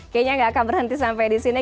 kayaknya nggak akan berhenti sampai di sini